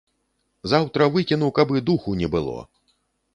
Заўтра выкіну, каб і духу не было.